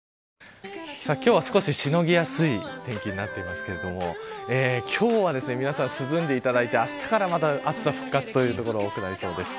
今日は少ししのぎやすい天気になっていますが今日は皆さん涼んでいただいてあしたから暑さ復活という所多くなりそうです。